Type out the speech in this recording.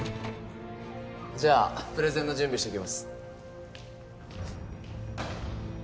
じゃあプレゼンの準備してきます。